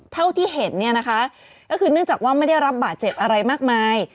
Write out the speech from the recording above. เท่าที่เห็นเนี่ยนะคะก็คือเนื่องจากว่าไม่ได้รับบาดเจ็บอะไรมากมาย